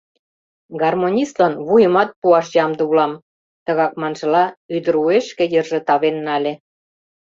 — Гармонистлан вуйымат пуаш ямде улам! — тыгак маншыла, ӱдыр уэш шке йырже тавен нале.